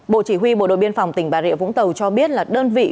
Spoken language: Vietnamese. bộ chỉ huy bộ đội biên phòng tỉnh bà rịa vũng tàu cho biết là đơn vị